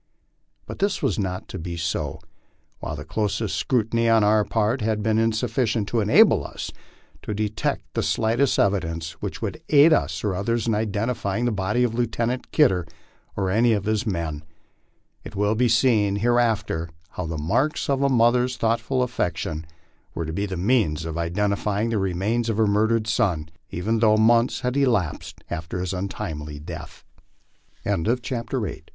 But this was not to be so ; while the closest scrutiny on our part had been insufficient to enable us to de jfcect the slightest evidence which would aid us or others in identifying the body of Lieutenant Kidder or any of his men, it will be seen hereafter how the marks of a mother's thoughtful affection were to be the means of identifying the remains of her murdered son, even though months had elapsed after hii untim